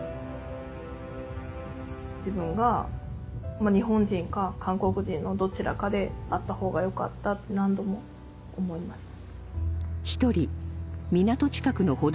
自分が日本人か韓国人のどちらかであった方がよかったって何度も思いました。